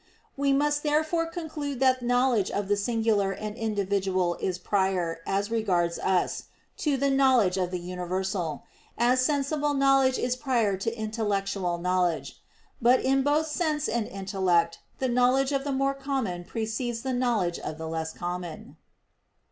We must therefore conclude that knowledge of the singular and individual is prior, as regards us, to the knowledge of the universal; as sensible knowledge is prior to intellectual knowledge. But in both sense and intellect the knowledge of the more common precedes the knowledge of the less common.